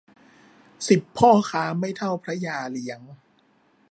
สิบพ่อค้าไม่เท่าพระยาเลี้ยง